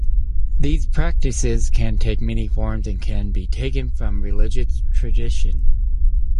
These practices can take many forms and can be taken from religious traditions.